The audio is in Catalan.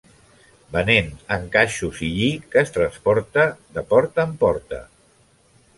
Venent encaixos i lli que transporta de porta en porta.